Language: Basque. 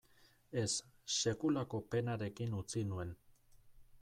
Ez, sekulako penarekin utzi nuen.